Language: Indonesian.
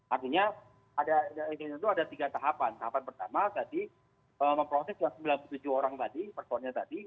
artinya tentu ada tiga tahapan tahapan pertama tadi memproses yang sembilan puluh tujuh orang tadi personnya tadi